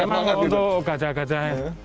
ya memang untuk gajah gajah